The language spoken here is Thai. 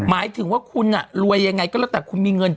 หมายถึงว่าคุณรวยยังไงก็แล้วแต่คุณมีเงิน